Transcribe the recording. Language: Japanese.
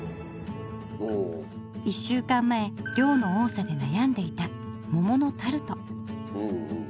１週間前量の多さで悩んでいた桃のタルト。